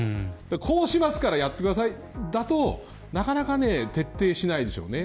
こうしますからやってくださいだと、なかなか徹底しないでしょうね。